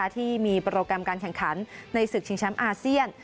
ที่มีโปรแกรมการแข่งขันในศึกชิงแชมป์อาเซียน